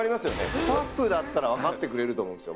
スタッフだったら分かってくれると思うんですよ。